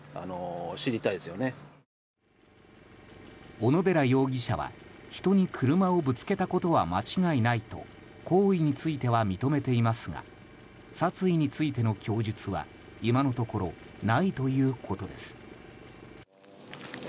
小野寺容疑者は、人に車をぶつけたことは間違いないと行為については認めていますが殺意についての供述は今のところないということです。